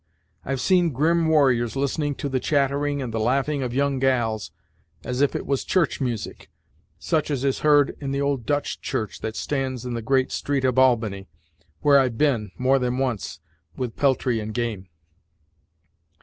I've seen grim warriors listening to the chattering and the laughing of young gals, as if it was church music, such as is heard in the old Dutch church that stands in the great street of Albany, where I've been, more than once, with peltry and game."